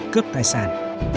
cướp tài sản